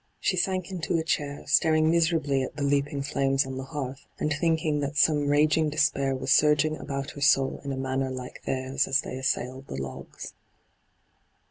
She sank into a chair, staring miserably at the leaping flames on the hearth, and thinking that some raging despair was surging about her soul in a manner like theirs as they assailed the logs.